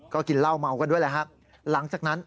ก็กินเหล้าเมาด้วยหลังจากนั้น